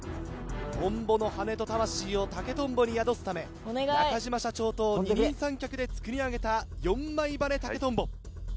トンボの羽と魂を竹とんぼに宿すため中嶋社長と二人三脚で作り上げた４枚羽根竹とんぼ。